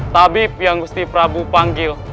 tabib yang gusti prabu panggil